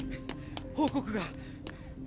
報告が。